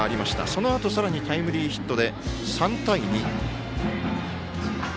そのあと、さらにタイムリーヒットで３対２。